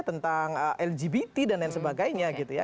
tentang lgbt dan lain sebagainya gitu ya